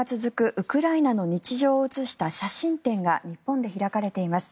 ウクライナの日常を写した写真展が日本で開かれています。